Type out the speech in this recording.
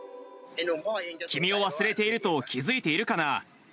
君を忘れていると気付いているかな。